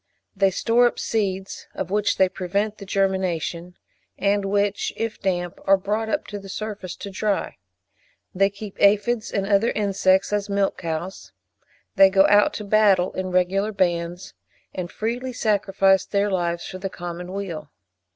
They store up seeds, of which they prevent the germination, and which, if damp, are brought up to the surface to dry. They keep aphides and other insects as milch cows. They go out to battle in regular bands, and freely sacrifice their lives for the common weal.